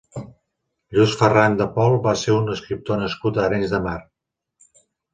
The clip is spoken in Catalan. Lluís Ferran de Pol va ser un escriptor nascut a Arenys de Mar.